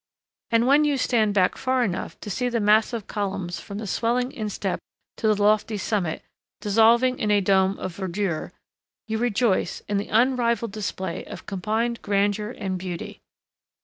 And when you stand back far enough to see the massive columns from the swelling instep to the lofty summit dissolving in a dome of verdure, you rejoice in the unrivaled display of combined grandeur and beauty.